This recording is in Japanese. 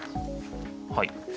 はい。